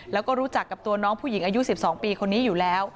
แล้วก็รู้จักกับตัวน้องผู้หญิงอายุ๑๒ปีคนนี้อยู่แล้ว